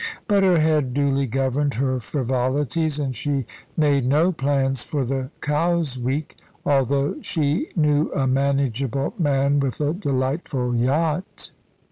But her head duly governed her frivolities, and she made no plans for the Cowes week, although she knew a manageable man with a delightful yacht.